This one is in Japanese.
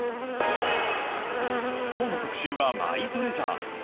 きょうの特集はマイトレジャー。